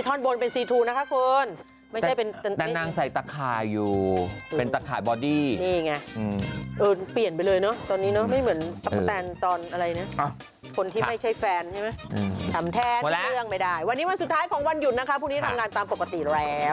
ทำแท้ทุกเรื่องไม่ได้วันนี้วันสุดท้ายของวันหยุดนะครับพรุ่งนี้ทำงานตามปกติแล้ว